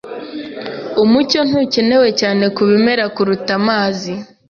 Umucyo ntukenewe cyane kubimera kuruta amazi.